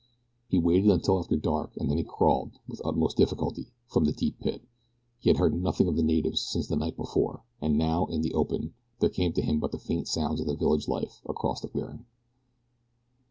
He waited until after dark, and then he crawled, with utmost difficulty, from the deep pit. He had heard nothing of the natives since the night before, and now, in the open, there came to him but the faint sounds of the village life across the clearing.